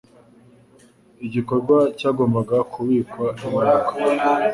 Igikorwa cyagombaga kubikwa ibanga.